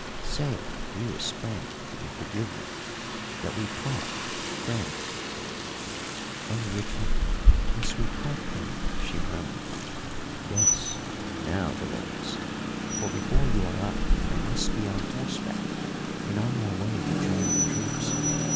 "Say, dearest friend, that you forgive me, that we part friends." "Oh, Richard, must we part then?" she murmured. "Yes now, Dolores; for, before you are up, I must be on horseback and on my way to join the troops.